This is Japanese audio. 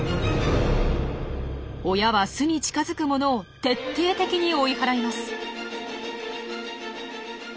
親は巣に近づくものを徹底的に追い払います。